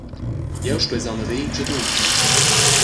Jeu stuess aunc haver in tschadun.